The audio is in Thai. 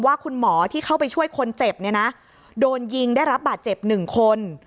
ว่าคุณหมอที่เข้าไปช่วยคนเจ็บเนี่ยนะโดนยิงได้รับบาดเจ็บ๑คน